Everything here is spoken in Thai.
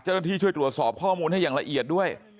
เจ้าหน้าที่ช่วยตรวจสอบข้อมูลให้อย่างละเอียดด้วย